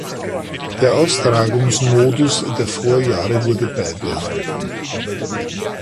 Der Austragungsmodus der Vorjahre wurde beibehalten.